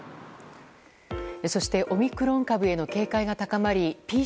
そして、オミクロン株への警戒が高まり